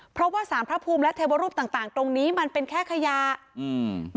เพราะว่าสารพระภูมิและเทวรูปต่างต่างตรงนี้มันเป็นแค่ขยะอืม